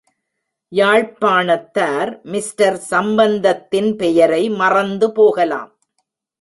யாழ்ப்பாணத்தார் mister சம்பந்தத்தின் பெயரை மறந்து போகலாம்.